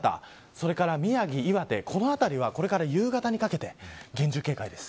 それから宮城、岩手この辺りは夕方にかけて厳重警戒です。